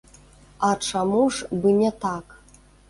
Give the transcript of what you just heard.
А чаму ж бы не так?